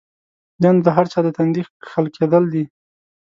دا نو د هر چا د تندي کښل کېدل دی؛